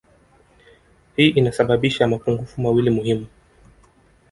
Hii inasababisha mapungufu mawili muhimu